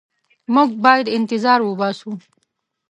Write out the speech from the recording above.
موږ باید انتظار وباسو.